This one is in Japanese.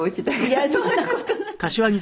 「いやそんな事ないの！」